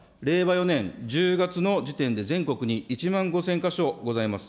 ４年１０月の時点で全国に１万５０００か所ございます。